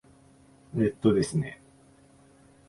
えーとですね。